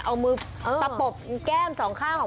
เอามือแก้มสองข้าง